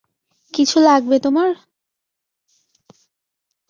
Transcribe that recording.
কিছু লাগবে তোমার?